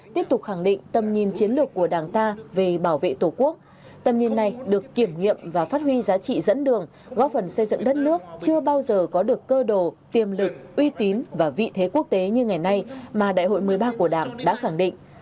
tiếp tục khẳng định tầm nhìn chiến lược của đảng ta về bảo vệ tổ quốc tầm nhìn này được kiểm nghiệm và phát huy giá trị dẫn đường góp phần xây dựng đất nước chưa bao giờ có được cơ đồ tiềm lực uy tín và vị thế quốc tế như ngày nay mà đại hội một mươi ba của đảng đã khẳng định